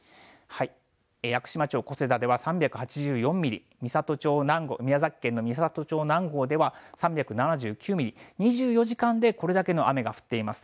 屋久島町小瀬田では３８４ミリ、宮崎県の美郷町南郷では３７９ミリ、２４時間でこれだけの雨が降っています。